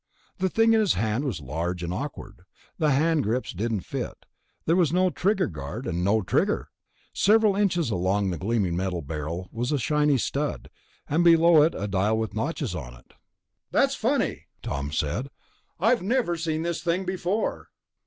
The thing in his hand was large and awkward. The hand grips didn't fit; there was no trigger guard, and no trigger. Several inches along the gleaming metal barrel was a shiny stud, and below it a dial with notches on it. "That's funny," Tom said. "I've never seen this thing before."